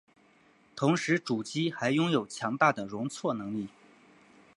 同时主机还拥有强大的容错能力。